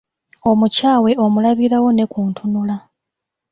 Omukyawe omulabirawo ne ku ntunula.